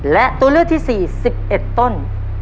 และตัวเลือกที่๔๑๑ต้น